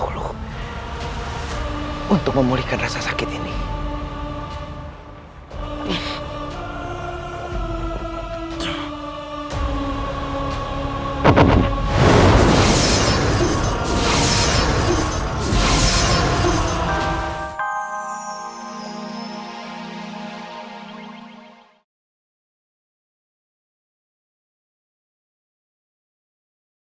jangan lupa like share dan subscribe ya